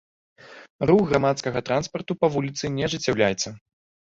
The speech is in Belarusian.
Рух грамадскага транспарту па вуліцы не ажыццяўляецца.